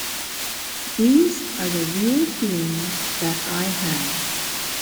These are the real feelings that I had.